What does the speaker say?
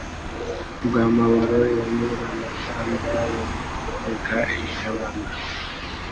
Rwa Mabaro ya Nyirabatamba Bamwitega i Jabana.